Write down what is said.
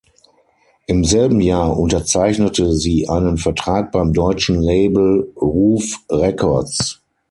Im selben Jahr unterzeichnete sie einen Vertrag beim deutschen Label Ruf Records.